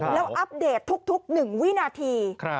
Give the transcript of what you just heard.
แล้วอัปเดตทุก๑วินาที